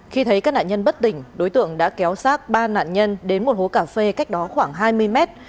khi thấy các nạn nhân bất tỉnh đối tượng đã kéo sát ba nạn nhân đến một hố cà phê cách đó khoảng hai mươi mét